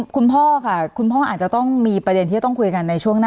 คุณพ่อค่ะคุณพ่ออาจจะต้องมีประเด็นที่จะต้องคุยกันในช่วงหน้า